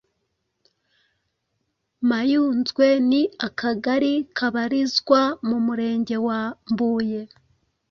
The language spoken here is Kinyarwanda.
Mayunzwe ni akagari kabarizwa mu murenge wa Mbuye